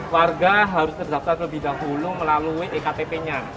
warga harus terdaftar lebih dahulu melalui e ktp nya